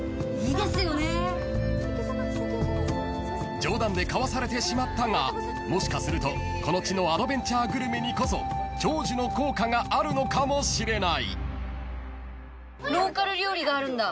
［冗談でかわされてしまったがもしかするとこの地のアドベンチャーグルメにこそ長寿の効果があるのかもしれない］